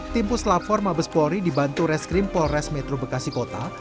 tim puslafor mabespori dibantu reskrim polres metro bekasi kota